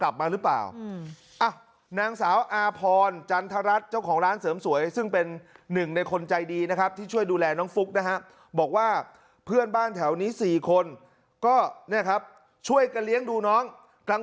บ้านแถวนี้๔คนก็นะครับช่วยกันเลี้ยงดูน้องกลาง